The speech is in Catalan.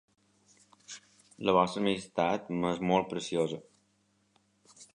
La vostra amistat m'és molt preciosa.